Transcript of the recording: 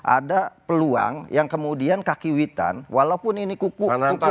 ada peluang yang kemudian kaki witan walaupun ini kuku